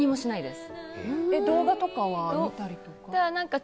動画とか見たりとか。